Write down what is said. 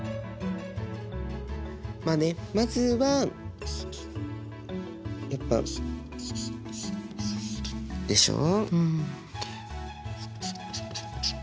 まあねまずはやっぱでしょ。